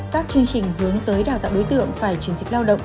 các chương trình hướng tới đào tạo đối tượng phải chuyển dịch lao động